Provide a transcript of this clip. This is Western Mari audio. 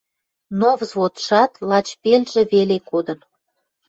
Но взводшат лач пелжӹ веле кодын